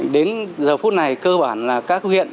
đến giờ phút này cơ bản là các huyện